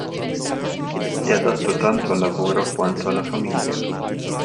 È adatto tanto al lavoro quanto alla famiglia.